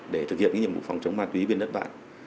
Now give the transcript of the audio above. để thực hiện nhiệm vụ phòng chống ma túy bên đất bạn